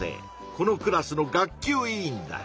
このクラスの学級委員だ。